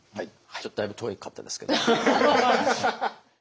ちょっとだいぶ遠かったですけど。